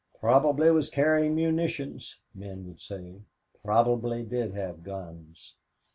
"Probably was carrying munitions," men would say. "Probably did have guns."